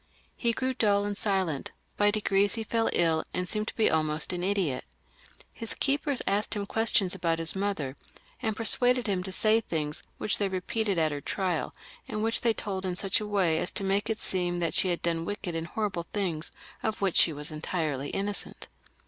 He grew dull and silent; by degrees he feU iU and seemed to become almost an idiot. His keepers asked him questions about his mother, and persuaded him to say things which they repeated at her trial, and which they told iq such a way as to make it seem that she had done wicked and horrible things of which she was entirely innocent.